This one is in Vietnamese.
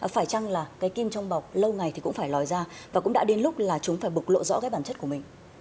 phải chăng là cái kim trong bọc lâu ngày thì cũng phải lòi ra và cũng đã đến lúc là chúng phải bục lộ rõ cái bản chất của mình